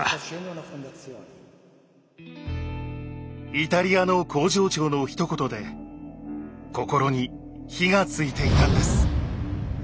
イタリアの工場長のひと言で心に火がついていたんです。